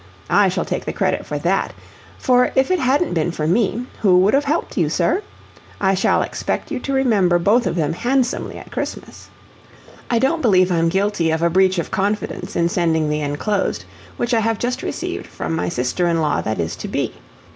I shall take the credit for THAT, for if it hadn't been for me, who would have helped you, sir? I shall expect you to remember both of them handsomely at Christmas. "I don't believe I'm guilty of a breach of confidence in sending the enclosed, which I have just received from my sister in law that is to be.